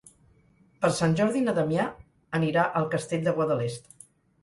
Per Sant Jordi na Damià anirà al Castell de Guadalest.